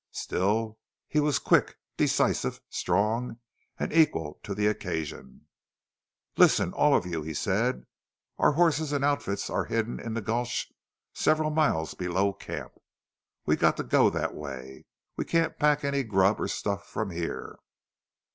Still he was quick, decisive, strong, equal to the occasion. "Listen all of you," he said. "Our horses and outfits are hidden in a gulch several miles below camp. We've got to go that way. We can't pack any grub or stuff from here.